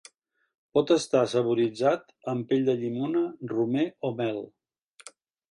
Pot estar saboritzat amb pell de llimona, romer o mel.